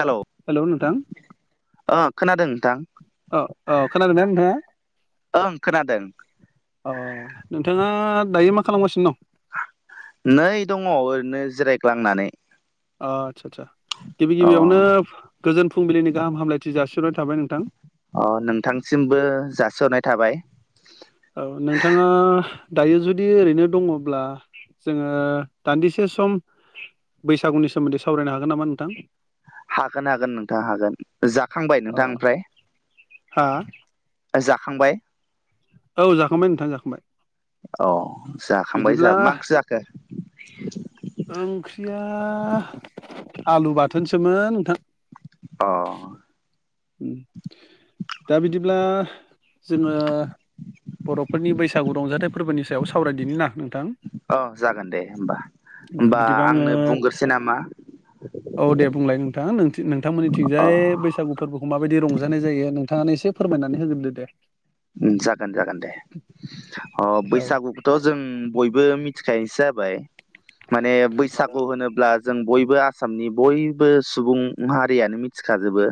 Hello hello नोंथां। अ खोनादों नोंथां। औ औ खोनादों ना नोंथांआ? ओं खोनादों अ' नोंथाङा दायो मा खालामगासिनो दं? नै दङ' ओरैनो जिरायग्लांनानै ओ आदसा आदसा गिबि अ गिबियावनो गोजोन फुंबिलिनि गाहाम हामलायथि जासि्र'नाय थाबाय नोंथां। अ' नोंथांसिमबो जास'नाय थाबाय औ नोंथाङा दायो जुदि ओरैनो दङब्ला जोङो दान्दिसे सम बैसागुनि सोमोन्दै सावरायनो हागोन नामा नोंथां? हागोन हागोन नोंथाङा हागोन। जाखांबाय अ नोंथां ओमफ्राय? हा? जाखांबाय? औ जाखांबाय नोंथां जाखांबाय। औ जाखांबाय बिदिब्ला जोंहा बो मा ओंक्रिजाखो? ओंख्रिया आलु बाथोनसोमोन नोंथां। अ'। दा बिदिब्ला जोङो। बर'फोरनि बैसागु रंजाथाइ फोरबोनि सायाव सावरायदिनि ना नोंथां। औ जागोन दे होमबा होमबा बिदिबा आङो आंनो बुंग्रोसै नामा? औ दे बुंलाय नोंथां अ नोंथांमोननिथिंजाय बैस बैसागु फोरबोफोरखौ माबायदि रंजानाय जायो। नोंथाङानो एसे फोरमायनानै होग्रोदो दे। जागोन जागोन दे। अ' औ बैसागु थ' जों बयबो मिथिखायोसो जाबाय माने बैसागु होनोब्ला जों बयबो आसामनि बयबो सुबुं हारियानो मिथिखाजोबो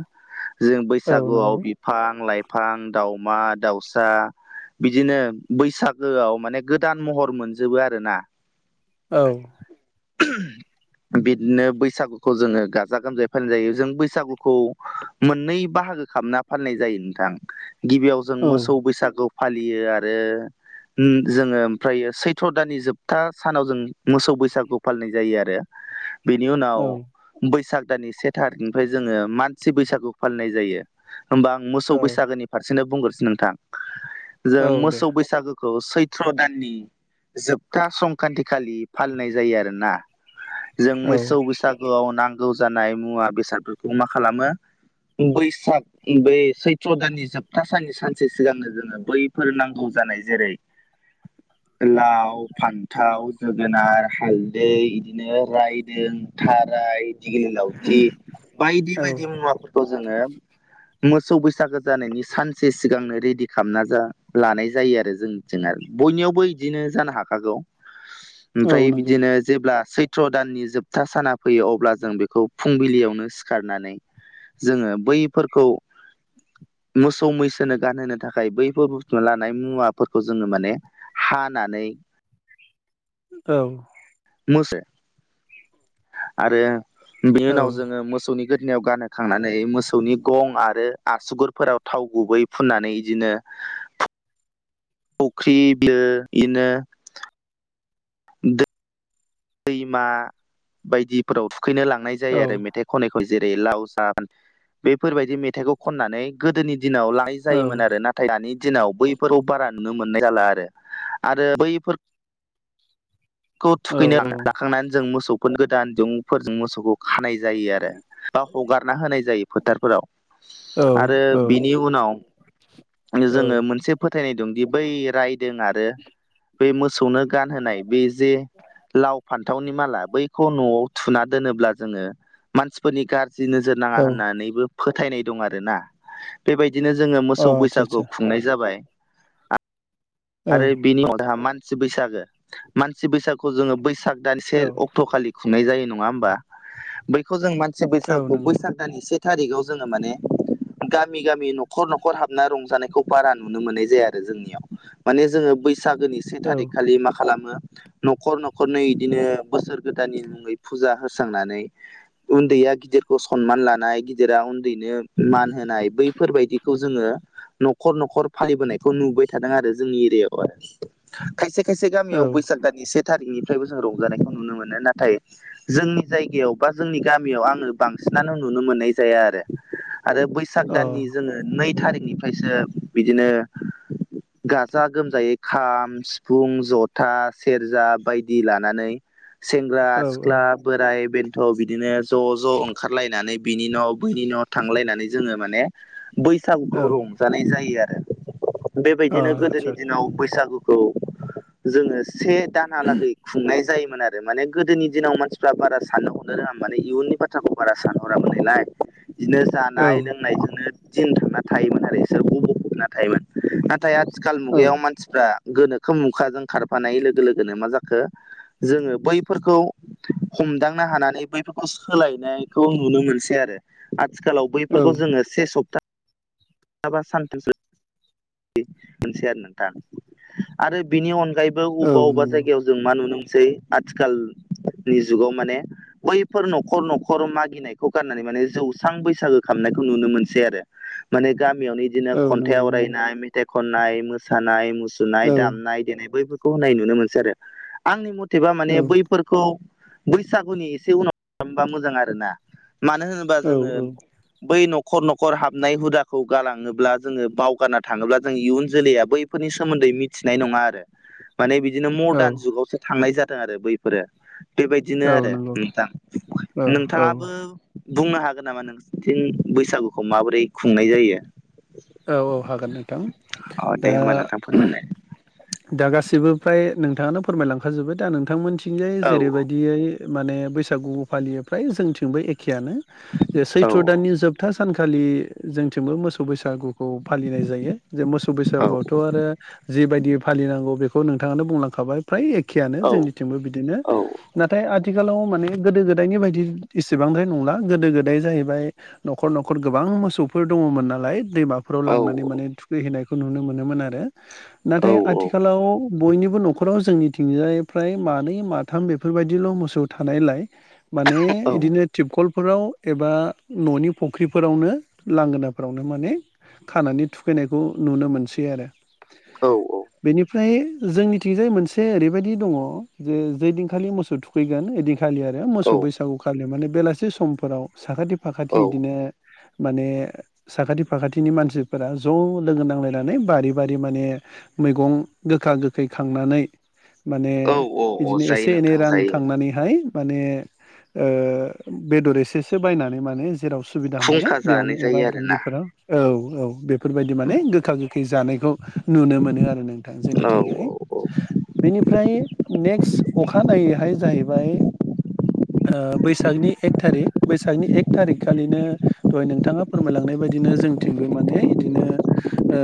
जों औ बैसागुआव नंगौ बिफां लाइफां दाउमा दाउसा बिदिनो बैसागोआव माने गोदान महर मोनजोबो आरो ना औ। बिदिनो बैसागुखौ जोङो गाजा गोमजायै फालि जायो जों बैसागुखौ मोननै बाहागो खालामना फालिनाय जायो नोंथां। गिबियाव जों औ मोसौ बैसागु फालियो आरो जोङो ओमफ्रायायो सैथ' दानानि जोबथा सानाव जों मोसौ बैसागु फालिनाय जायो आरो। [inaudible] बेनि औ उनाव बैसाग दानानि से थारिखनिफ्राय जोङो मानसि बैसागु फालिनाय जायो। होमबा आं मोसौ बैसागोनि फारसेनो बुंग्रोसो नोंथां जे औ दे मोसौ बैसागोखौ खौ सैथ्र' दाननि जोबथा संक्रान्त खालि फालिनाय जायो आरोना। जों औ मोसौ बैसागुआव नांगौ जानाय मुवा बेसादफोरखौ मा खालामो बैसाग बै सैत्र दाननि जोबथा साननि सान एसे सिगांनो जोङो बैफोर नांगौ जानाय जेरै [inaudible] लाव, फान्थाव, जोगोनार, हालदै, बिदिनो रायदों, थाराइ दिगिलि लावथि बायदि औ बायदि मुवाफोरखौ जोङो मोसौ बैसागो जानायनि सानसे सिगांनो रेडि खालामना लानाय जायो आरो जोंनिथिं जाय आरो बयनियावबो बिदिनो जानो हाखागौ। [inaudible] ओमफ्राय नंगौ बिदिनो जेब्ला सैथ्र दाननि जोबथा साना फैयो अब्ला जों बेखौ फुंबिलियावनो सिखारनानै जोङो बैफोरखौ मोसौ मैसो [unintelligible] गानहोनो थाखाय बैफोर बुस्थुना लानाय मुवाफोरखौ जोङो माने हानानै। औ मोसे आरो बेनि औ उनाव जोङो मोसौनि गोदनायाव गानो। खांनानै मोसौनि गं आरो आसुगुरफोराव थाव गुबै फुननानै इदिनो फख्रि बिलो इदिनो दै-दैमा बायदिफोराव थुखैनो लांनाय जायो औ आरो मेथाइ खनै खै जेरै लाव साम बेफोरबायदि मेथाइखौ खननानै गोदोनि दिनाव लाइ औ जायोमोन आरो नाथाय दानि दिनाव बैफोरखौ बारा नुनो मोननाय जाला आरो आरो बैफोर खौ औ थुखैनो ला-लाखांनानै जों मोसौफोर गोदान दिरुंफोरजों मोसौखौ खानाय जायो आरो बा हगारना होनाय जायो फोथारफोराव। औ आरो औ अ बिनि उनाव जोङो मोनसे फोथायनाय दंदि बै रायदों आरो बै मोसौनो गानहोनाय बे जे लाव फान्थावनि माला बैखौ न'आव थुना दोनोब्ला जोङो मानसिफोरनि गाज्रि नोजोर नाङा आदसा होननानैबो फोथायनाय दं आरो ना। बेबायदिनो जोङो मोसौ बैसागु आदसा खुंनाय जाबाय। औ आरो बिनि अनहा मानसि बैसागो मानसि बैसागुखौ जोङो बैसाग दान से औ अक्ट' खालि खुंनाय जायो नङा होमबा बैखौ जों मानसि औ बैसागु नंगौ बैसाग दाननि से थारिखाव जोङो माने गामि गामि न'खर न'खर हाबना रंजानायखौ बारा नुनो मोननाय जाया आरो जोंनियाव। माने जोङो बैसागोनि से औ थारिख खालि मा खालामो न'खर न'खर नै इदिनो बोसोर गोदाननि मुङै फुजा होस्रांनानै उन्दैया गिदिरखौ सनमान लानाय गिदिरा उन्दैनो मान होनाय बैफोरबायदिखौ जोङो न'खर न'खर फालिबोनायखौ नुबाय थादों आरो जोंनि एरियायाव आरो। खायसे खायसे औ अ गामियाव बैसाग दाननि से थारिखनिफ्रायबो जों रंजानायखौ नुनो मोनो नाथाय जोंनि जायगायाव बा जोंनि गामियाव आङो बांसिनानो नुनो मोननाय जाया आरो। आरो बैसाग दाननि जोङो नै थारिखनिफ्रायसो बिदिनो गाजा गोमजायै खाम, सिफुं, जथा, सेरजा बायदि लानानै सेंग्रा, औ सिख्ला, बोराय बेन्थ' बिदिनो ज' ज' ओंखारलायनानै बिनि न' बैनि न' थांलायनानै जोङो माने बै औ सागुखौ अ रंजानाय जायो आरो। बेबायदिनो गोदोनि आदसा दिनाव बैसागुखौ जोङो से दानालागै खुंनाय जायोमोन आरो माने गोदोनि दिनाव मानसिफ्रा बारा साननो हनो रोङामोन माने इयुननि [unintelligible] बारा सानहरामोन नालाय बिदिनो औ जानाय लोंनायजोंनो दिन थांना थायोमोन आरो बिसोर गब' जोबना थायोमोन। नाथाय आथिखाल औ मुगायाव मानसिफ्रा गोनोखो मुखाजों खारफानाय लोगो लोगोनो मा जाखो जोङो बैफोरखौ हमदांनो हानानै बैफोरखौ सोलायनायखौ नुनो मोनसै आरो। आथिखालाव औ बैफोरखौ जोङो से सप्ता सानथामसो मोनसेै आरो नोंथां आरो बिनि अनगायैबो ब औ अबेबा अबेबा नंगौ जायगायाव जों मा नुनो मोनसै आथिखालनि जुगाव माने बैफोर न'खर न'खर मागिनायखौ गारनानै माने जौस्रां बैसागो खालामनायखौ नुनो मोनसै आरो। माने गामियावनो बिदिनो औ खन्थाइ नंगौ नंगौ आवरायनाय मेथाइ खननाय मोसानाय मु नाय औ दामनाय देनाय बैफोरखौ होननाय नुनो मोनसै आरो आंनि मथेबा माने औ बै फोरखौ बैसागुनि एसे उनाव खालामबा मोजां आरोना मानो होनोब [unintelligible] औ जोङो औ बै न'खर न'खर हाबनाय हुदा खौ गालाङोब्ला जोङो बावगारना थाङोब्ला जों इयुन जोलैया बैफोरनि सोमोन्दै मिथिनाय नङा आरो। माने बिदिनो औ मदार्न जुगावसो थांनाय जादों आरो बैफोरो। बेबायदिनो औ आरो नंगौ नोंथां औ औ नोंथाङाबो औ बुंनो हागोन नामा नोंथिं बैसागुखौ माबोरै खुंनाय जायो? औ औ हागोन नोंथां अ दे दा होमबा नोंथां फोरमायलाय दा गासिबो फ्राय नोंथाङानो फोरमायलांखाजोब्बाय दा नोंथांमोनथिंजाय औ जेरैबायदियै माने बैसागु फालियो फाय जोंथिंबो एखेयानो जे औ सैथ्र' दाननि जोब जोबथा सानखालि जोंथिंबो मोसौ बैसागु फालिनाय जायो जे मोसौ औ बैसागुआवथ' आरो जिबायदि फालिनांगौ बेखौ खौ नोंथाङनो बुंलांखाबाय फ्राय एखेआनो औ जोंनिथिंबो बिदिनो नाथाय आ आथिखालाव माने गोदो गोदायनि बायदि एसेबांद्राय नंला गोदो गोदाय जाहैबाय न'खर न'खर गोबां मोसौफोर दङमोन नालाय दैमा फोराव औ लांनानै माने थुखैहैनायखौ नुनो मोनोमोन आरो औ नाथाय आथिखालाव बयनिबो न'खराव जोंनिथिंजायफ्राय मानै माथाम बेफोरबायदिल' मोसौ थानायलाय माने बिदिनो थिबखलफोराव एबा न'नि फुख्रिफोरावनो लांगोनाफोरावनो माने। खानानै थुखैनायखौ नुनो मोनसै आरो। औ औ। बेनिफ्राय जोंनिथिंजाय मोनसे ओरैबायदि दङ। जे जेदिनखालि मोसौ थुखैगोन ओदिन खालियो आरो मोसौ बैसागु खालि माने बेलासि समफोराव साखाथि फाखाथि औ इदिनो माने साखाथि फाखाथिनि मानसिफोरा ज' लोगो नांलायनानै बारि बारि माने मैगं गोखा गोखै खांनानै माने औ औ बिदिनो जायो एसे एनै नोंथां रां जायो थांनानै हाय माने ओ बेदर एसे से बायनानै जेराव सो सुबिदा मोनो खुंखा बेयावनो जानाय एबा जायो आरोना दुब्लिफोराव औ औ बे बेफोरबायदि माने गोखा गोखै जानायखौ नुनो मोनो आरो नोंथां औ जोंनिथिंहाय। बेनिफ्राय नेक्स्ट अखानायैहाय जाहैबाय ओ बैसागनि एक थारिख बैसागनि एक थारिक खालिनो दहाय नोंथाङा फोरमायलांनाय बायदिनो जोंथिंबो माने बिदिनो ओ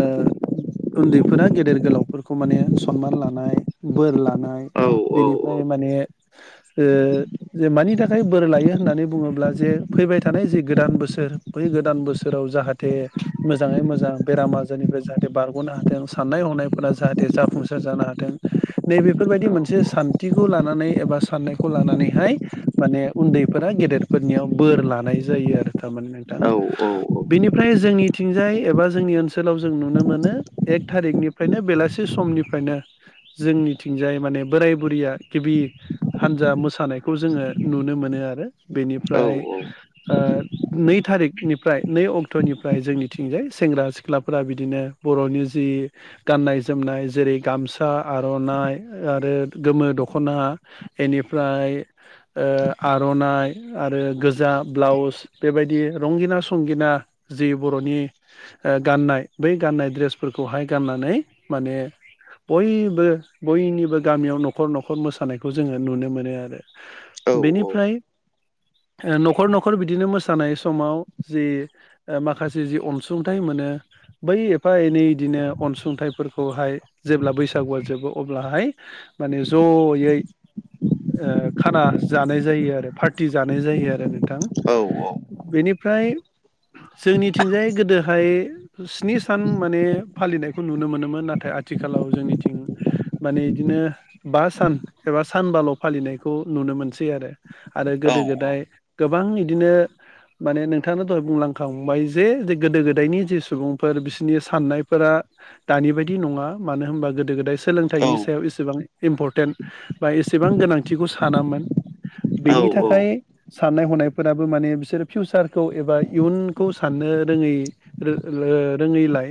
उन्दैफोरा गेदेर गोलावफोरखौ माने सनमान लानाय बोर लानाय औ बेनिफ्राय माने ओ जे मानि थाखाय बोर लायो होननानै बुङोब्ला जे फैबाय थानाय ज गोदान बोसोर बै गोदान बोसोराव जाहाथे थे मोजाङै मोजां बेराम आजारनिफ्राय जाहाथे बारग'नो हाथों साननाय हनायफोरा जाहाथे जाफुंसार जानो हाथों। नै बेेफोरबायदि औ मोनसे सान्थिखौ लानानै एबा साननायखौ लानानैहाय माने उन्दैफोरा गेदेरफोरनियाव बोर लानाय जायो आरो थारमाने नोंथां। औ औ औ औ । फ्राय जोंनिथििंजाय एबा जोंनि ओनसोलाव जों नुनो मोनो। एक थारिकनिफ्रायनो बेलासि समनिफ्रायनो जोंनिथिंजाय माने बोराय बुरिया गिबि हानजा मोसानायखौ जोङो नुनो मोनो आरो बेनिफ्राय नै थारिखनिफ्राय नै अक्ट' बथ'निफ्राय जोंनिथिंजाय सेंग्रा सिख्लाफोरा बिदिनो बर'नि जि गाननाय जोमनाय जेरै गामसा आर'नाइ आरो गोमो दख'ना बेनिफ्राय आर'नाइ आरो गोजा ब्लाउस बेबायदि रंगिना संगिना जि बर'नि गाननाय बै गाननाय ड्रेसफोरखौहाय गाननानै माने बयबो बयनिबो गामियाव न'खर न'खर मोसानायखौ जोङो नुनो मोनो आरो बेनिफ्राय न'खर न'खर बिदिनो मोसानाय समाव जि माखासे जि अनसुंथाइ मोनो। बै एफा एनै बिदिनो अनसुंथाइफोरखौहाय जेब्ला बैसागुआ जोबो अब्लाहाय माने जयै खाना जानाय जायो आरो पार्टि जानाय जायो आरो नों थां औ औ बेनिफ्राय जोंनिथिंजाय गोदोहाय स्नि सान माने फालिनायखौ नुनो मोनोमोन नाथाय आथिखालाव जोंनिथिं माने बिदिनो बा सान एबा सानबाल' फालिनायखौ नुनो मोनसै आरो आरो गोदो औ औ गोदाय गोबां बिदिनो माने नोंथां दहाय बुंलां खांबाय जे जे गोदो गोदायनि जे सुबुंफोर बिसोरनि साननायफोरा दानि बायदि नङा मानो होनबा गोदो गोदाय औ सोलोंथाइनि सायाव एसेबां इम्पर्टेन्ट बा एसेबां गोनांथिखौ सानामोन औ बेनि थाखाय साननाय हनायफोराबो माने बिसोरो फिउचारखौ एबा इयुन बे खौ साननो रोङै रोङैलाय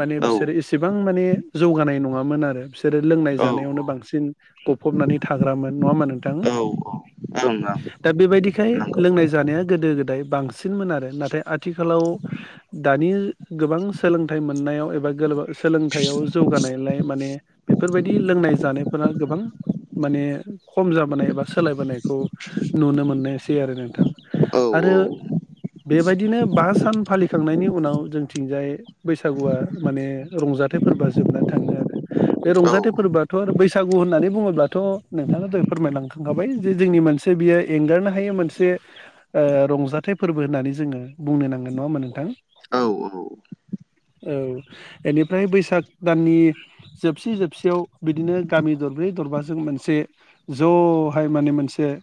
माने औ बिसोरो एसेबां माने जौगानाय नङामोन आरो बिसोरो लोंनाय औ जानायावनो बांसिन गफबनानै थाग्रामोन नङामा नोंथां ओं ओं दा बेबायदिखाय नंगौ लोंनाय जानाया गोदो गोदाय बांसिनमोन आरो नाथाय नाथाय आथिखालाव दानि गोबां सोलोंथाइ मोननायाव एबा सोलोंथाइयाव जौगानायलाय माने बेफोरबायदि लोंनाय जानायफोरा गोबां माने खम जाबोनाय एबा सोलायबोनायखौ नुनो मोननायसै आरो नोंथां औ औ आरो बेबायदिनो बा सान फालिखांनायनि उनाव जोंथिंजाय बैसागुआ माने रंजाथाइ फोरबोआ जोबनानै थाङो आरो बे रंजाथाइ फोरबोआथ' आरो बैसागु होननानै बुङोब्लाथ' नोंथाङा जै फोरमायलांखा खाबाय जे जोंनि मोनसे बियो एंगारनो हायो मोनसे रंजाथाइ फोरबो होननानै जोङो बुंनो नांगोन नङामोन नोंथां औ औ औ बेनिफ्राय बैसाग दाननि जोबसि जोबसियाव बिदिनो गामि दरब्रै दरबाजों मोनसे ज'हाय माने मोनसे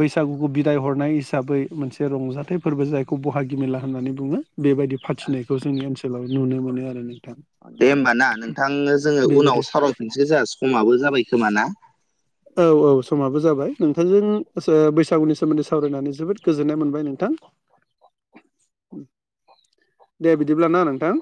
बैसागुखौ बिदाय हरनाय हिसाबै मोनसे रंजाथाइ फोरबो जाय खौ बहागि मेला होननानै बुङो बेबायदि फाथिनायखौ जोंनि ओनसोलाव नुनो मोनो आरो नोंथां दे होमबा ना नोंथांनो जोङो बेबायदि उनाव सावरायफिनसै जोंहा समाबो जाबाय खोमा ना औ औ समाबो जाबाय नोंथांजों बैसागुनि सोमोन्दै सावरायनानै जोबोद गोजोननाय मोनबाय नोंथां दे बिदिब्लाना नोंथां